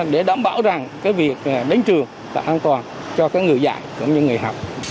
để đảm bảo rằng cái việc đến trường là an toàn cho các người dạy cũng như người học